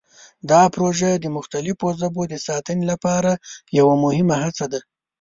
دا پروژه د مختلفو ژبو د ساتنې لپاره یوه مهمه هڅه ده.